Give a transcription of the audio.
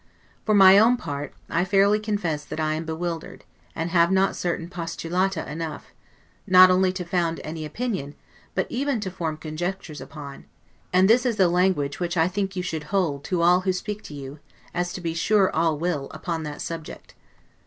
For my own part, I fairly confess that I am bewildered, and have not certain 'postulata' enough, not only to found any opinion, but even to form conjectures upon: and this is the language which I think you should hold to all who speak to you, as to be sure all will, upon that subject.